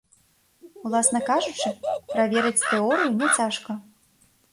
Уласна кажучы, праверыць тэорыю няцяжка.